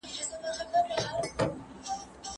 د خدای ښار کتاب د ټولني بنسټونه تشریح کوي.